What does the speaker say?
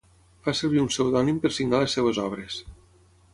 Fa servir un pseudònim per signar les seves obres.